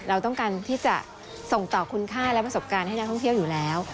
เราต้องการที่จะส่งต่อคุณค่าและประสบการณ์ให้นักท่องเที่ยวอยู่แล้ว